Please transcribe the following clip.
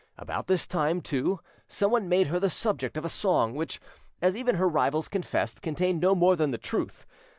About this time, too, someone made her the subject of a song, which, as even her rivals confessed, contained no more than the truth.